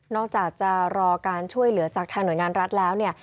จากจะรอการช่วยเหลือจากทางหน่วยงานรัฐแล้วเนี่ย